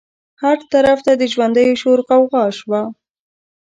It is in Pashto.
هر طرف ته د ژوندیو شور غوغا شوه.